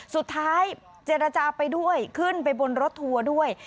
สุดท้ายเจรจาไปด้วยขึ้นไปบนรถทัวร์ด้วย